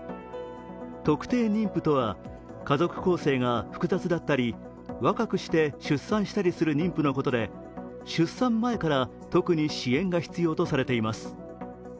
特定妊婦とは家族構成が複雑だったり若くして出産したりする妊婦のことで出産前から特に支援が必要とされています。